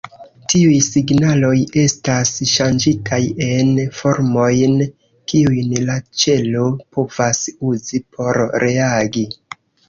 Tiuj signaloj estas ŝanĝitaj en formojn, kiujn la ĉelo povas uzi por reagi.